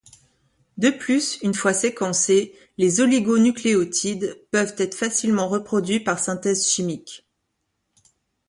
De plus, une fois séquencés, les oligonucléotides peuvent être facilement reproduits par synthèse chimique.